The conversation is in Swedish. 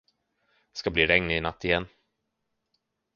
Det ska bli regn inatt igen.